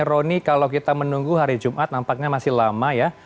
rony kalau kita menunggu hari jumat nampaknya masih lama ya